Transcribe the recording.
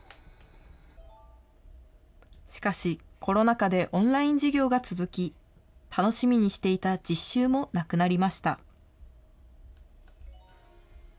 しかし、コロナ禍でオンライン授業が続き、楽しみにしていた実習もなくなりました。